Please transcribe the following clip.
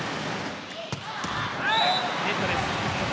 ネットです。